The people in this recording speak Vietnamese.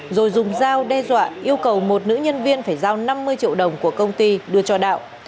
rồi dùng dao đe dọa yêu cầu một nữ nhân viên phải giao năm mươi triệu đồng của công ty đưa cho đạo